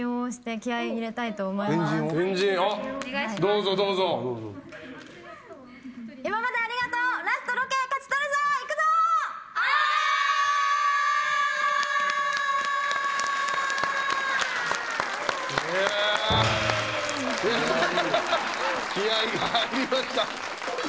気合が入りました。